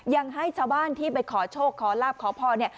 ยังให้ชาวบ้านที่ไปขอโชคขอลาบขอพรเนี่ย